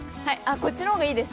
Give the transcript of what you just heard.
こっちの方がいいです。